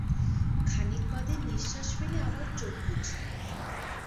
খানিক বাদে নিশ্বাস ফেলে আবার চোখ বুজলে।